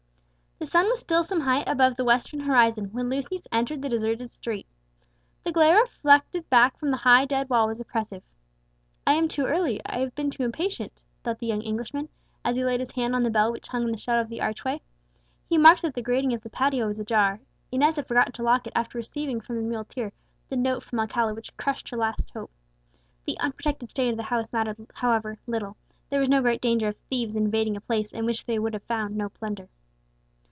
The sun was still some height above the western horizon when Lucius entered the deserted street. The glare reflected back from the high dead wall was oppressive. "I am too early; I have been too impatient," thought the young Englishman, as he laid his hand on the bell which hung in the shadow of the archway. He marked that the grating of the patio was ajar. Inez had forgotten to lock it after receiving from the muleteer the note from Alcala which crushed her last hope. The unprotected state of the house mattered, however, little; there was no great danger of thieves invading a place in which they would find no plunder.